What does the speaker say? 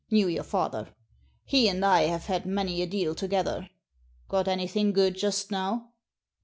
Knew your father. He and I have had many a deal to gether. Grot anything good just now?"